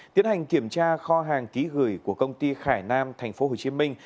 tiến hành kiểm tra kho hàng ký gửi của công ty khải nam thành phố hồ chí minh